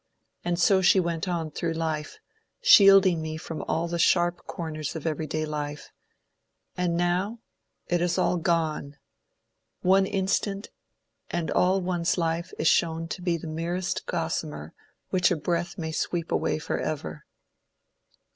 And so she went on through life — shielding me from all the sharp corners of everyday life — and now — it is all over ! One instant, and all one's life is shown to be the merest gossamer which a breath may sweep away forever."